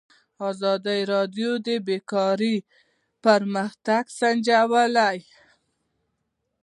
ازادي راډیو د بیکاري پرمختګ سنجولی.